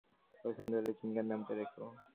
পছন্দ হলে, জিঙ্গার নামটা রেখো।